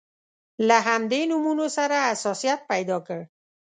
له همدې نومونو سره حساسیت پیدا کړ.